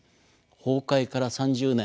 崩壊から３０年。